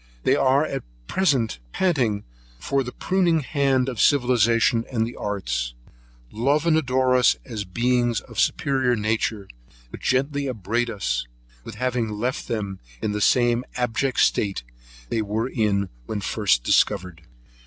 They at present pant for the pruning hand of civilization and the arts; love and adore us as beings of a superior nature, but gently upbraid us with having left them in the same abject state they were at first discovered.